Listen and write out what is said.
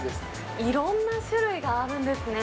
いろんな種類があるんですね。